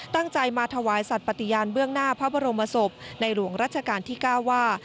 ตั้งใจมาถวายสัตว์ปฏิญาณเบื้องหน้าพระบรมศพในหลวงรัชกาลที่๙ว่า